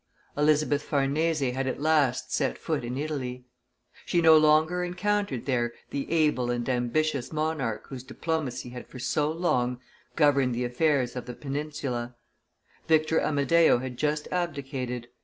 Elizabeth Farnese had at last set foot in Italy. She no longer encountered there the able and ambitious monarch whose diplomacy had for so long governed the affairs of the peninsula; Victor Amadeo had just abdicated.